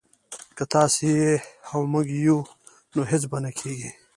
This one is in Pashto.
که تاسو يئ او موږ يو نو هيڅ به نه کېږي